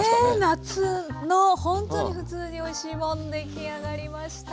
夏のほんとに「ふつうにおいしいもん」出来上がりました。